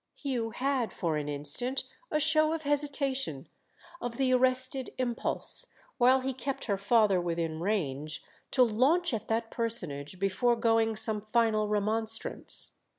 Hugh had for an instant a show of hesitation—of the arrested impulse, while he kept her father within range, to launch at that personage before going some final remonstrance.